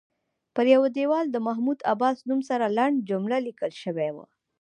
پر یوه دیوال د محمود عباس نوم سره لنډه جمله لیکل شوې وه.